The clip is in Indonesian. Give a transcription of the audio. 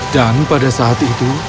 dan pada saat itu